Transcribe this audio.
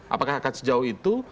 apakah akan sejauh itu